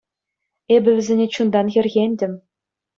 Эпӗ вӗсене чунтан хӗрхентӗм.